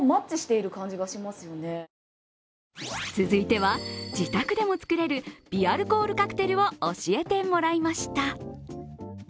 続いては、自宅でも作れる微アルコールカクテルを教えてもらいました。